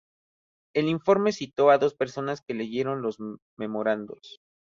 El informe citó a dos personas que leyeron los memorandos.